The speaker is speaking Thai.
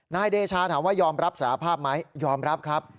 นายเดชาถามว่ายอมรับสารภาพไหมยอมรับครับ